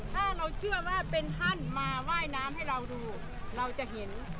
ถ้าเราเชื่อว่าเป็นท่านมาว่ายน้ำให้เราดูเราจะเห็น